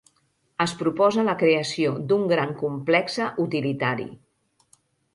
Es proposa la creació d'un gran complexe utilitari.